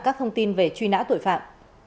các thông tin về truy nã tội phạm